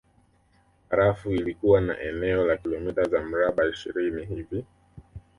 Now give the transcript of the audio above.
Barafu ilikuwa na eneo la kilomita za mraba ishirini hivi